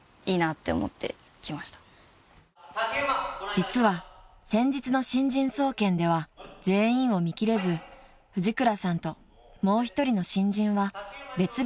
［実は先日の新人総見では全員を見きれず藤倉さんともう一人の新人は別日に回されてしまいました］